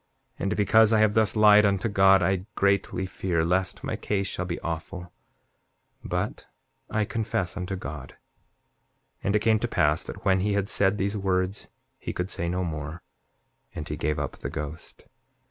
And because I have thus lied unto God I greatly fear lest my case shall be awful; but I confess unto God. 7:20 And it came to pass that when he had said these words he could say no more, and he gave up the ghost.